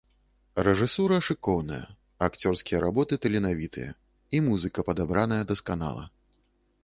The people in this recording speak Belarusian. Рэжысура шыкоўная, акцёрскія работы таленавітыя, і музыка падабраная дасканала.